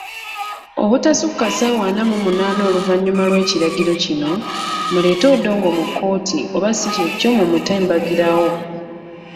Obutasukka ssaawa ana mu munaana oluvanyuma lw'ekiragiro kino, muleete Odongo mu kkooti oba sikyekyo mumute mbagirawo.